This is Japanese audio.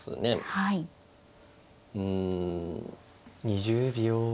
２０秒。